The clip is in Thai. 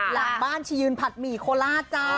หลังบ้านชียืนผัดหมี่โคล่าจ้า